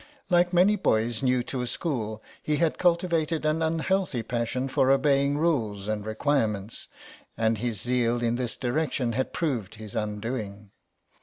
Like many boys new to a school he had cultivated an unhealthy passion for obeying rules and requirements, and his zeal in this direction had proved his undoing.